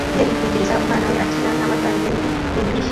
Umubyeyi yitegereza umwana we akina n'amadarubindi y'idirishya